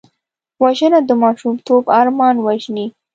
وژنه د ماشومتوب ارمان وژني